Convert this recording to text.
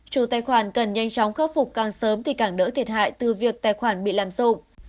chủ tài khoản cần nhanh chóng khắc phục càng sớm thì càng đỡ thiệt hại từ việc tài khoản bị làm sụ